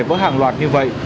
với hàng loạt như vậy